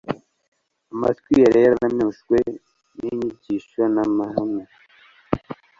Amatwi yari yararemajwe n'inyigisho n'amahame